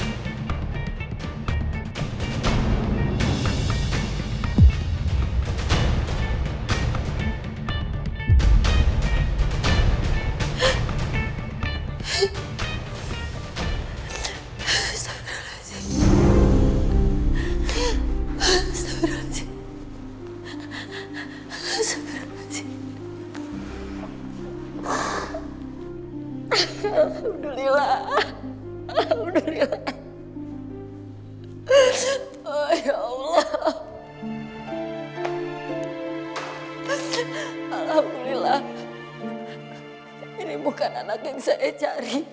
ini bukan anak yang saya cari